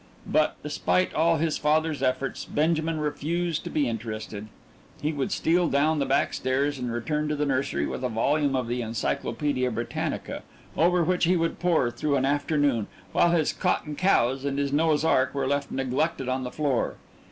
But, despite all his father's efforts, Benjamin refused to be interested. He would steal down the back stairs and return to the nursery with a volume of the Encyclopedia Britannica, over which he would pore through an afternoon, while his cotton cows and his Noah's ark were left neglected on the floor.